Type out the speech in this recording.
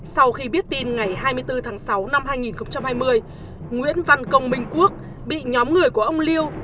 sau khi biết tin ngày hai mươi bốn tháng sáu năm hai nghìn hai mươi nguyễn văn công minh quốc bị nhóm người của ông liêu